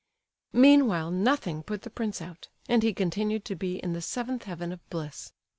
Meanwhile nothing put the prince out, and he continued to be in the seventh heaven of bliss.